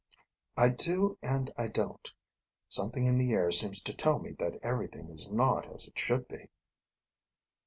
"I do and I don't. Something in the air seems to tell me that everything is not as it should be."